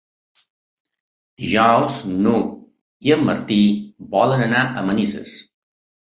Dijous n'Hug i en Martí volen anar a Manises.